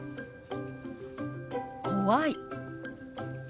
「怖い」。